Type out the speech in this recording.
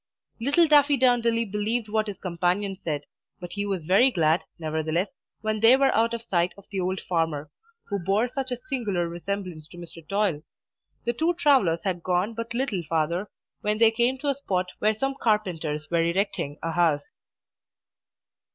Little Daffydowndilly believed what his companion said, but he was very glad, nevertheless, when they were out of sight of the old farmer, who bore such a singular resemblance to Mr. Toil. The two travellers had gone but little farther, when they came to a spot where some carpenters were erecting a house.